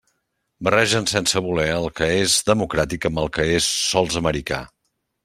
Barregen sense voler el que és democràtic amb el que és sols americà.